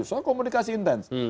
saya komunikasi intens